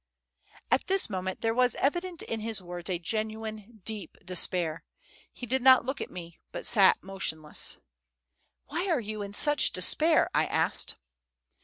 ..." At this moment there was evident in his words a genuine, deep despair: he did not look at me, but sat motionless. "Why are you in such despair?" I asked.